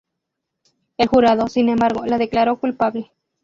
El jurado, sin embargo, la declaró culpable.